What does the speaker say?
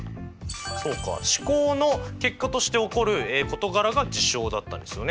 そうか試行の結果として起こる事柄が事象だったんですよね。